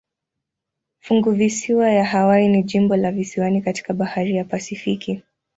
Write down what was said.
Funguvisiwa ya Hawaii ni jimbo la visiwani katika bahari ya Pasifiki.